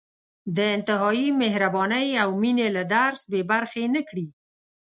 د انتهايي مهربانۍ او مېنې له درس بې برخې نه کړي.